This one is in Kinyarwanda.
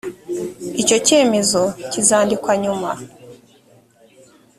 icyo cyemezo kizandikwa nyuma